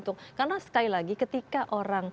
karena sekali lagi ketika orang